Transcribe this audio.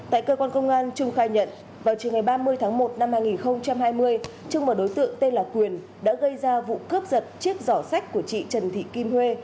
tại cơ quan công an trung khai nhận vào trường ngày ba mươi tháng một năm hai nghìn hai mươi trung và đối tượng tên là quyền đã gây ra vụ cướp giật chiếc giỏ sách của chị trần thị kim huê